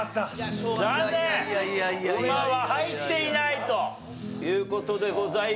ウマは入っていないという事でございました。